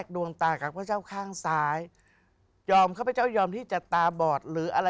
ดวงตาอย่อมให้พระเจ้าจัดตาบอด